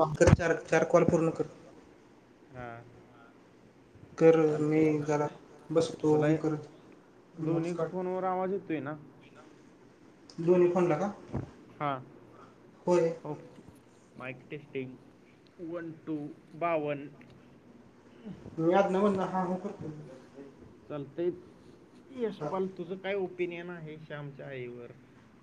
मग चार चार कॉल पूर्ण कर. हां चालतंय तुला दोन्ही फोनवर आवाज येतोय ना. दोनी फोनला का होय. फ मायक टेस्टिंग वन टू बावन. मी आदन मदन हा हो करतो. चालतय यश पाल तुझं काय ओपिनियन आहे शामच्या आईवर.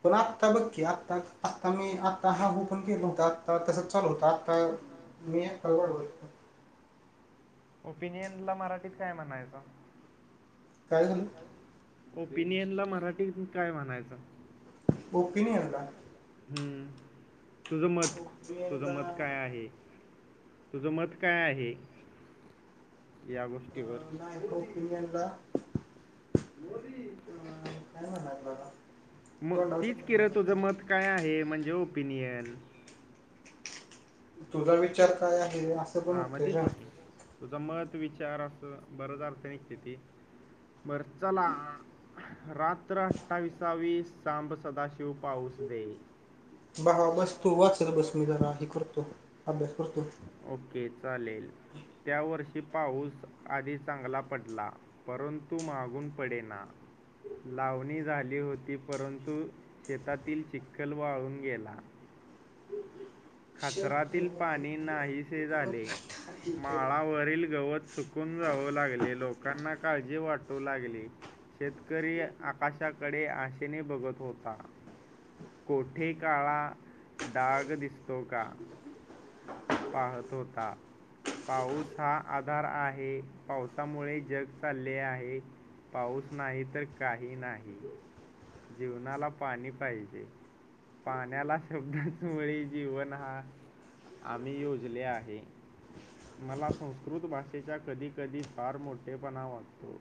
पण आत्ता बघकी आत्ता आता मी आता हा हु पण केला होता आता तस चालू होता. हा हा हा. ओपिनियन ला मराठीत काय म्हणायचं. काय झालं. ओपिनियन ला मराठीत काय म्हणायचं? ओपिनियनला. हम्म तुझं मत तुझं मत काय आहे? तुझं मत काय आहे? या गोष्टीवर अ काय म्हणाला ना मग तीच किर तुझं मत काय आहे म्हणजे ओपिनियन तुझा विचार काय आहे असं पण होतेजन तुझा मत विचार असं बरच अर्थ निघते ती बर चला रात्र अठ्ठाविसावीस सांब सदाशिव पाऊस दे बा बस तू वाचल बस मी जरा हे करतो अभ्यास करतो ओके चालेल त्या वर्षी पाऊस आधी चांगला पडला परंतु मागून पडे ना लावणी झाली होती परंतु शेतातील चिखखल वाळून गेला खचरातील पाणी नाहीसे झाले माळावरील गवत सुकून जाऊ लागले लोकांना काळजी वाटू लागली शेतकरी आकाशाकडे आशेने बघत होता कोठे काळा डाग दिसतो का पाहत होता पाऊस हा आधार आहे पावसामुळे जग चालले आहे पाऊस नाही तर काही नाही जीवनाला पाणी पाहिजे पाण्याला शब्दचमुळे जीवन हा आम्ही योजले आहे मला संस्कृत भाषेचा कधीकधी फार मोठेपणा वाटतो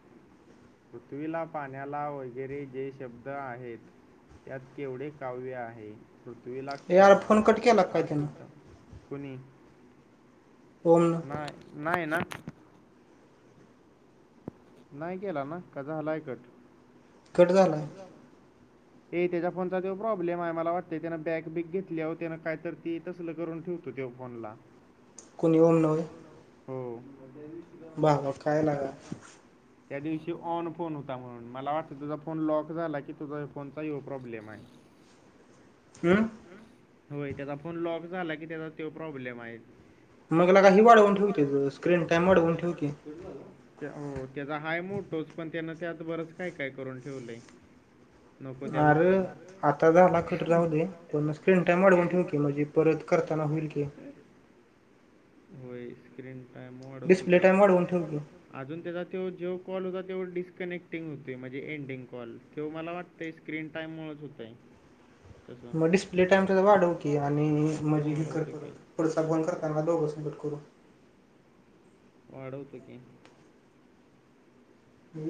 पृथ्वीला पाण्याला वगैरे जे शब्द आहेत त्यात केवढे काव्य आहे पृथ्वीला क्षमा का शब्द कणे पण नाही नाहीय ना नाही केला ना कध हलाय कट खटग हे त्याच्या फोनचा तेव्हा प्रॉब्लेम आहे मला वाटतंय त्यान बॅग बीक घेतली आहे त्यान काय तर ती तसलं करून ठेव त ते फनला कोणी ऊनन हो बाग काय लागा त्या दिवशी ऑन फोन होता म्हणून मला वाटतं त फोन लॉक झाला की तुझा फोनचाही प्रॉब्लेम आहे हां होय त्याचा फोन लॉक झाला की त्याचा तो प्रॉब्लेम आहे मगला का ही वाढवून ठेवते स्क्रीन टाम वाढवून ठेळ हो त्याचा हाय मोटोचं पण त्यान त्यात बरंच काय काय करून ठेवलंय आरं आता झाला कट राहूदे पण स्क्रीन टाइम वाढवून ठेव कि म्हणजे परत करताना होईल की होय स्क्रीन टाइम वाढवतो की डिस्पले टाइम वाढवून ठेव अजून त्याचा तो जो कॉल होता तो डिस्कनेक्टिंग होतोय म्हणजे एंन डिंग कॉल त्यो मला वाटतय स्क्रीन टाइम मुळंच होतय मग डिस्प्ले टाइम जरा वाढव की आणि मनजे हीकडं पुढचा कॉल करताना दोघं संगट करू वाढवतो की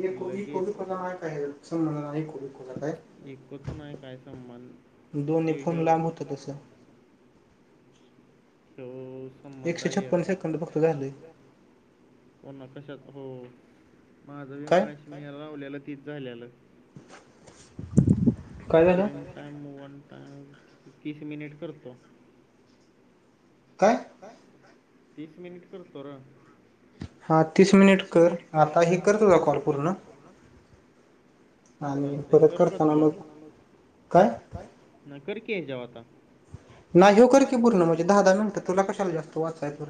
इको बिकोला हाय कायं हेल्प इको बिकोला काय ईकोचा नाही काय संबध ते व्ह्यो तो संबंध आहे ह्याचा हो ना कशात हो माझं बी मगाशी निहाला लावलेलं तीस झाल्यालं काय झालं टाइम वन टाइम तीस मिनिट करतो काय काय तीस मिनिट करतो रं हा तीस मिनिट कर आता हे कर तुझा कॉल पूर्ण चालतय करू का तुला काय न करकी हेच्यावर आता नाही ह्यो कर की पूर्ण म्हणजे दहा दहा मिनिटं तुला कशाला जास्त वाचाय कर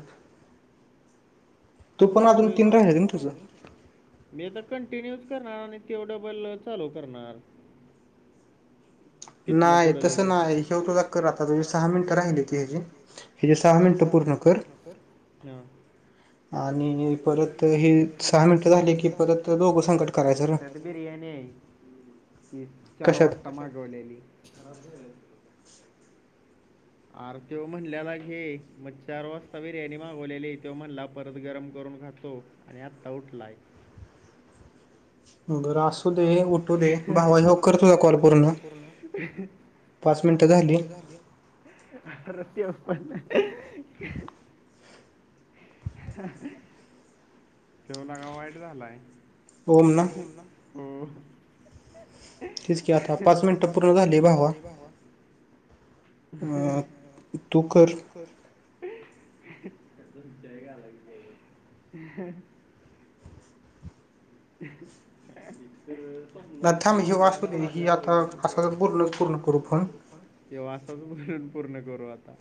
तू पण अजून तीन राहिलेत ना तुझं मी आता कंटिन्यूच करणार आणि ते डबल चालू करणार तिथनं पुढ लगेच नाही तस न्हाय ह्यो तुझा कर आता तुझी सहा मिनिटं राहिल्याती हे सहा मिनिटं पूर्ण कर आणि परत हे सहा मिनटं झाली की परत दोघं संग ट करायचं रं बिर्याणी आहे ती चार वाजता मागवलेली खराब झाली असेल आर त्यो म्हणल्याला घे मग चार वाजता बिर्याणी मागवलेली त्यो म्हणला परत गरम करून खातो आणि आता उठलाय बर असू सुदे भावा ह्यो कर तुझा कॉल पूर्ण पाच मिनटं झाली रस्यावर पण ह ह्यो लका वाईट झालाय हो फोन ना हो आता पाच मिनिटं पूर्ण झाली भावा तू कर [unintelligible] ह [unintelligible] त्यो असंच बोलून पूर्ण करू आता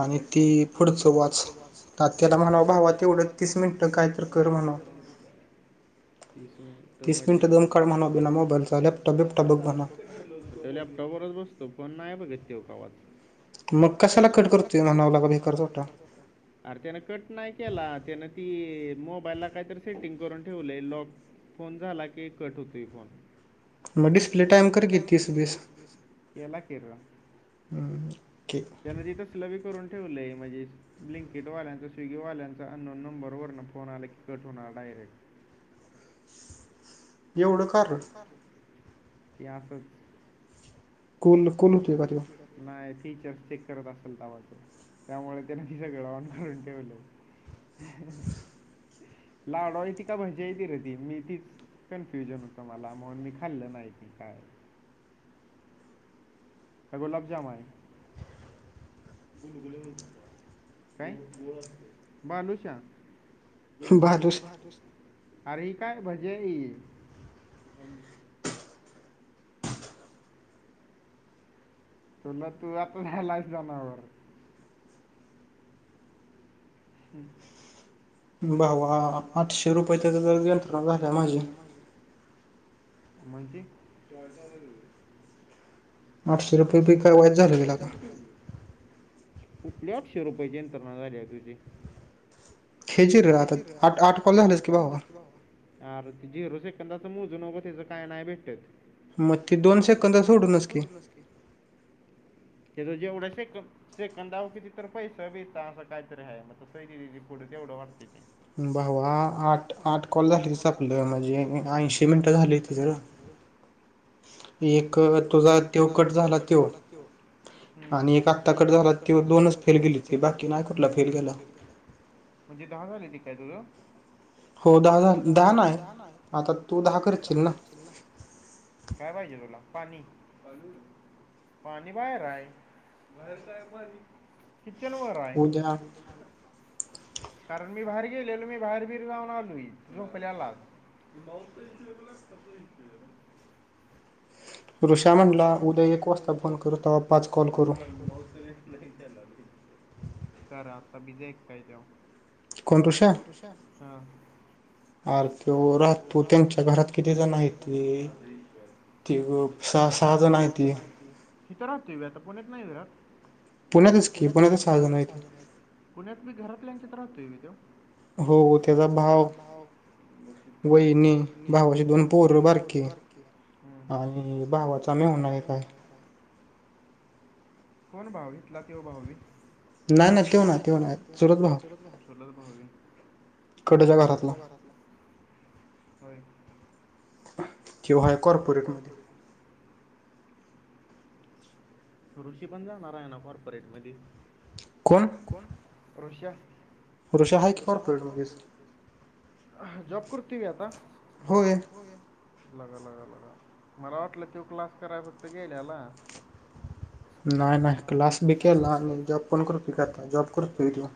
आणि ती पुढचं वाच तात त्याला म्हणावं भावा तेवढं तीस मिनिट तीस मिनटं कायतर कर म्हणावं तीस मिनिट मंजे तीस लिहून काढ म्हणावं लॅपटॉप बघून त्यो लॅपटॉपवरच बसतो फोन न्हाय आहे बघंत त्यो कवाच [unintelligible] आरं त्यान कट नाही केला त्यानं ती मोबाईलला कायतर सेटिंग करून ठेवलंय लॉक फोन झाला की कट होतोय फोन मग डिस्प्ले टाइम कर कि तीस केला कि रं ह्म्म्म ओके त्यान तिथंच लगे करून ठेवलंय म्हणजे लिंकेटवाल्यांचा स्विगीवाल्यांचा अनोन नंबरनं फोन आला की कट होणार डायरेक्ट एवढसच कुल कुल नाही फीचर्स चेक करत असेल तव ते त्यामुळे त्यांने तिचं गडवून करून ठेवलं लाडवा य त का भाज्या य त र ती मी तीच फ्युजन होतं मला म्हणून मी खाल्लं नाही क काय गुलाबजमन काय बालूशा पाहत अरे काय भजेई तुला तू आता झायलास जनावर हम् भावा आठशे रुपये तर ज यंत्रणा झाल्या माझी म्हज आठशे रुपये बी काय वईच झालं गेला का कुठल्या आठशे रुपयाची यंत्रणा झाली आहे तुझी खेजरहता आठ आठ कॉल झाले की बावर अर झिरो सेकंदाचं मोजून नगं त्याचं काय नाही भेटतत मग ती दोन सेकंद सोडूनच की ते तो जेवढंचं एक सेकंदाऊ किती तर पैस बिता असं काहीतरी आहे म स पुढे तेवढं वारते ते आठ आठ कॉल झालीच आपली माझ आणि इस्टमेंट झाली त [inaudible] एक तुझा तेवकट तेवकट झाला तो आणि एक आत्ता कडे झाला ते दोनच फेल गेली त बाकी नाही कुठला फेल गेला म्हणजे दहा झाली ती काय तुझं हो दहा दहा नाही आहे आता तू दहा करतशील ना काय भाईजरोला पाणी पाणी बाहेर आहे बा किचन वर आहे कारण मी बाहेर गेलेलो मी बाहेर बिर जाऊन आलो झोपल्यालाच बहत इशगला खत इ ऋषा म्हणला उद्या एक वाजता करता करा आता वििजेक काय देव कोण रसा हां अर तो राहतो त्यांच्या घरात किती जण येत त सहा सहा जण ठीक राह तू वता पण येत नाही विरात पुण्यातच की पुण्यातच सहाजणं येतील पुण्यात मी घरातल्यांच्यात राहतोय मी तेो हो त्याचा भाव वहीनी भाऊ श दन पोर बारकीे आणि भावाचा मेवणार आहे काय कोण भाववीतला कव भाववी नाही नाही तेव ना ते नाही चुरत भा ठोल भाहावी कठच्या घरातलं होय ठवा आहे कॉपोरटमध्ये ऋषी पण जाणार आहे ना कॉर्पोरेट मध्ये कोण कोण रुष्या वऋषा आहे कीॉर्पोरेट मगेस जॉब करतय आता होय लगा लगा लगा मला वाटलं तव क्लास कराय फक्त गेलेला नाही नाही क्लास बीिक लह जॉब कोण कर फता जॉब करत फ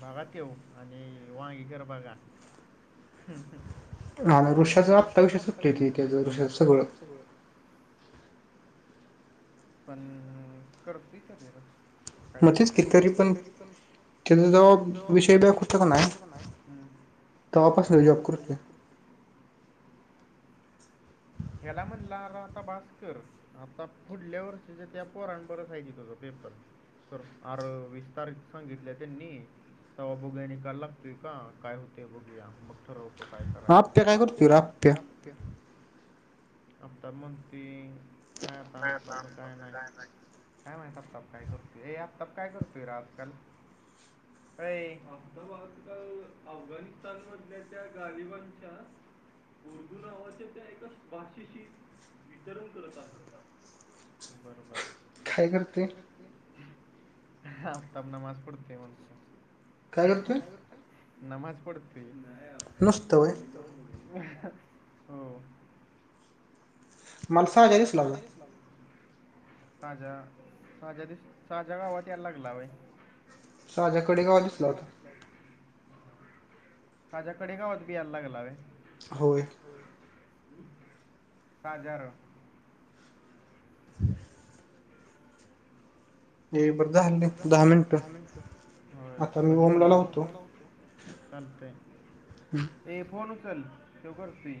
बगा तव आणि वांगीकर बाघा हा मग ञुषाच आता विषय सुटली त त्याचं ञुषाच सगळं पण करत कर काय म्हच तरी पण त्या जॉब विषय ब होत का नाही जॉप असले जॉब कर ह्याला म्हणला राहताभस्कर आता पुढल्या वर्षीच्या त्या पोरण बरचयची तुझं पेपर स आर विस्तारख सांगितल्या त्यांनी तवा बोगया निकायला लागतोय काय होतेय बोघूया मग ठरवतो काय करायलण आप का काय करतो आप का हप्ता मण ती काय आता असतच काय नाही काय म्हण त तब काय करतोय ये आप तब काय करतोय आजकाल आफताबाद काल अफगाणिस्तान मधल्या त्या गालिबानच्या उर्दू नावाचे त्या एकच वाशीशी वितरण करत आहे बर चा ल खाय करते. आता नमाज पडते वाढत. काय कारतूय नमाज पडतूय. हो. मला साग्या दिसला हुता. सजा साजा दिवस साज्या गावात यायला लागला हय. साज्या कडेगावात दिसला होता. साज्या कडेगावात बी याला लागला होय. होय. साजार हम् [unintelligible] हे बग झाली दहा मिनिट. होय भगीतलय ती चालतय. हम्म. ए फोन उचल त्यो कारतूय.